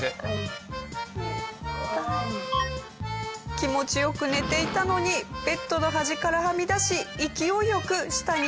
気持ち良く寝ていたのにベッドの端からはみ出し勢い良く下に落下。